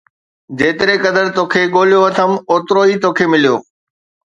جيتري قدر توکي ڳولهيو اٿم، اوترو ئي توکي مليو